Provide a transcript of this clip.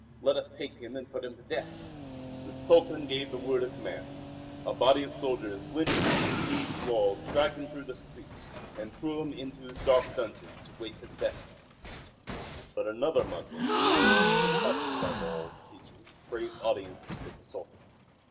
Let us take him and put him to death." The Sultan gave the word of command. A body of soldiers went out, seized Lull, dragged him through the streets, and threw him into a dark dungeon to wait the death sentence. But another Moslem who had been deeply touched by Lull's teaching craved audience with the Sultan.